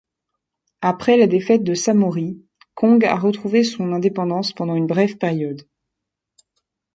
Après la défaite de Samory, Kong a retrouvé son indépendance pendant une brève période.